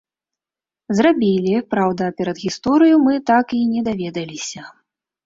Зрабілі, праўда, перадгісторыю мы так і не даведаліся.